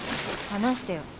離してよ。